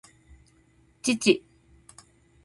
父